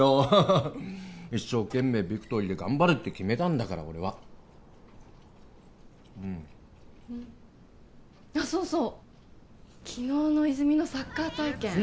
ハハハッ一生懸命ビクトリーで頑張るって決めたんだから俺はうんあっそうそう昨日の泉実のサッカー体験